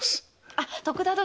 あっ徳田殿！